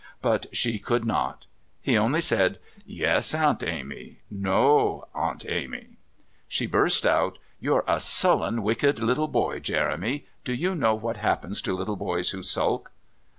But she could not. He only said: "Yes, Aunt Amy." "No, Aunt Amy." She burst out: "You're a sullen, wicked little boy, Jeremy. Do you know what happens to little boys who sulk?"